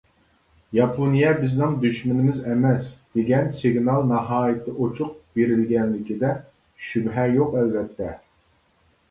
ياپونىيە بىزنىڭ دۈشمىنىمىز ئەمەس دېگەن سىگنال ناھايىتى ئوچۇق بېرىلگەنلىكىدە شۈبھە يوق ئەلۋەتتە.